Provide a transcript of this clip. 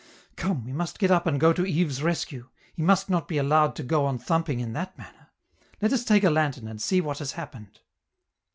"Come, we must get up and go to Yves's rescue; he must not be allowed to go on thumping in that manner. Let us take a lantern, and see what has happened."